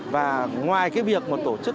và ngoài việc tổ chức